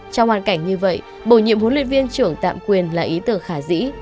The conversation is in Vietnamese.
trong hoàn cảnh như vậy bổ nhiệm huấn luyện viên trưởng tạm quyền là ý tưởng khả dĩ